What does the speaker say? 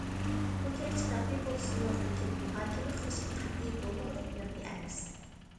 بۇ گەرچە مەخپىي بولسىمۇ، لېكىن مۇھاكىمە قىلىشقا قەتئىي بولمىغۇدەك مەخپىي ئەمەس.